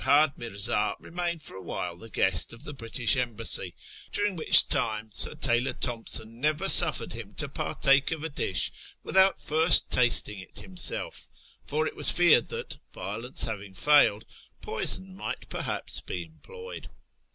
TEHERAN 107 retire, and Ferhad Mi'rza remained for a while the guest of the British Embassy, during which time Sir Taylor Thomson never suffered him to partake of a dish without first tasting it himself, for it was feared that, violence having failed, poison might, per haps, be employed.